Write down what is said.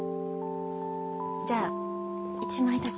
じゃあ１枚だけ。